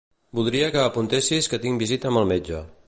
Voldria que apuntessis que tinc visita amb el metge.